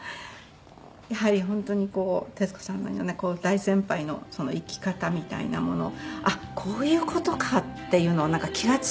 やはり本当に徹子さんのような大先輩の生き方みたいなものあっこういう事かっていうのを気が付けるところがあって。